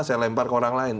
saya lempar ke orang lain